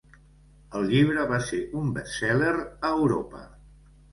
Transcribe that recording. El llibre va ser un best-seller a Europa.